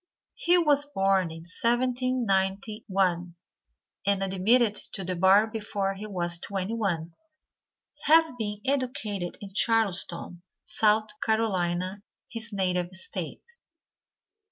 He was born in 1791, and admitted to the bar before he was twenty one, having been educated in Charleston, South Carolina, his native State.